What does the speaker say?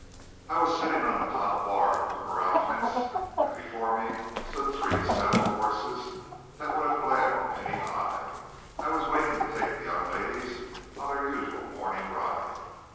I was sitting on the top bar of the corral fence and before me stood three saddled horses that would have gladdened any eye. I was waiting to take the young ladies on their usual morning ride.